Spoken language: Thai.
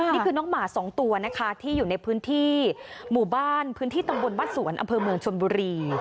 นี่คือน้องหมาสองตัวนะคะที่อยู่ในพื้นที่หมู่บ้านพื้นที่ตำบลบ้านสวนอำเภอเมืองชนบุรี